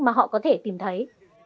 mà họ có thể tìm thấy